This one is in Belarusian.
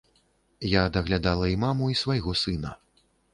Я даглядала і маму, і свайго сына.